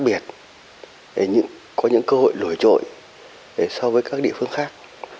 bình liêu có rất nhiều những điểm khác biệt có những cơ hội lổi trội so với các địa phương khác